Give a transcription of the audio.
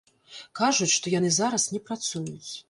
Кажуць, што яны зараз не працуюць.